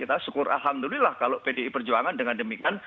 alhamdulillah kalau pdi perjuangan dengan demikian